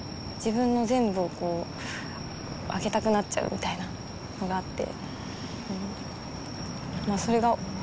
みたいなのがあって。